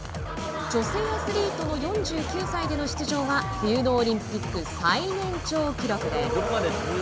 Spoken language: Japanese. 女性アスリートの４９歳での出場は冬のオリンピック最年長記録です。